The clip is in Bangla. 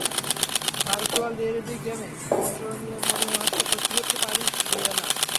ভারচুয়াল রিয়েলিটি গেমে অংশ নিয়ে মনে হচ্ছে সত্যি সত্যি প্যারিস ঘুরে এলাম।